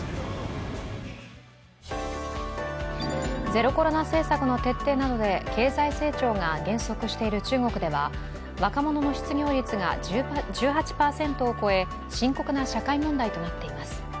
ゼロコロナ政策の徹底などで経済成長が減速している中国では若者の失業率が１８％を超え、深刻な社会問題となっています。